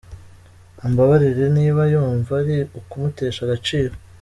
Ambabarire niba yumva ari ukumutesha agaciro.